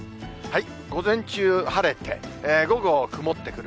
午前中晴れて、午後、曇ってくる。